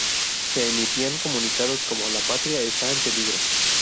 Se emitían comunicados como "La Patria está en peligro.